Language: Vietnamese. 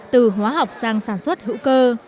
từ hóa học sang sản xuất hữu cơ